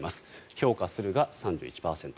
評価するが３１％。